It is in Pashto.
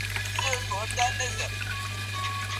آیا نارينه په هر شي کي ذکر کيږي؟